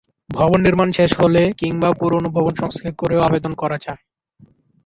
ভবন নির্মাণ শেষ হলে কিংবা পুরোনো ভবন সংস্কার করেও আবেদন করা যায়।